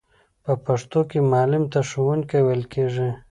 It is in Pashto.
په پښتو کې معلم ته ښوونکی ویل کیږی.